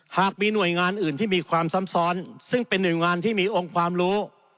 หากมีหน่วยงานอื่นที่มีความซ้ำซ้อนซึ่งเป็นหน่วยงานที่มีองค์ความรู้